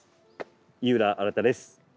井浦新です。